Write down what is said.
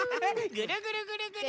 ぐるぐるぐるぐる！